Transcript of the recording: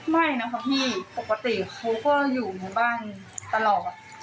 ไม่นะคะพี่ปกติเขาก็อยู่ในบ้านตลอด